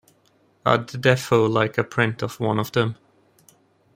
I'd deffo like a print of one of them.